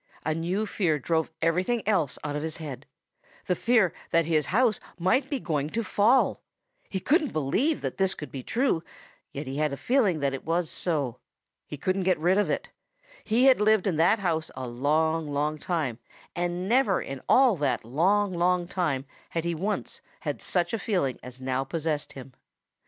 A new fear drove everything else out of his head the fear that his house might be going to fall! He couldn't believe that this could be true, yet he had the feeling that it was so. He couldn't get rid of it He had lived in that house a long, long time and never in all that long, long time had he once had such a feeling as now possessed him.